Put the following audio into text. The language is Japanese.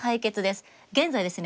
現在ですね